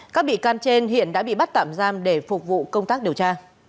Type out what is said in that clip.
các bị can trên hiện đã bị bắt tạm giam để phục vụ công tác điều tra